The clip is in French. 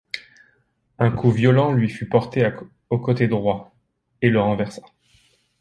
Un coup violent lui fut porté au côté droit, et le renversa.